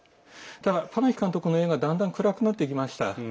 ただパナヒ監督の映画だんだん暗くなってきました。